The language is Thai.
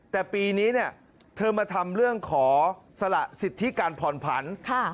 แต่ปีนี้เนี่ยเธอมาทำเรื่องขอสละสิทธิการผ่อนผัน